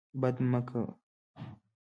بد مه کوه.